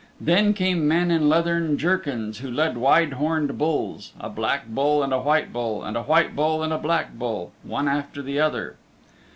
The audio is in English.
Then came men in leathern jerkins who led wide horned bulls a black bull and a white bull, and a white bull and a black bull, one after the other.